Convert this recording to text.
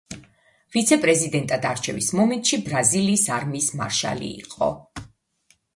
ვიცე-პრეზიდენტად არჩევის მომენტში ბრაზილიის არმიის მარშალი იყო.